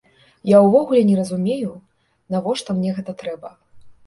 Я ўвогуле не разумею, навошта мне гэта трэба.